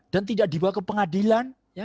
dan tidak dibawa ke pengadilan